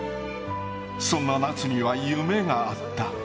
そんな夏には夢があった。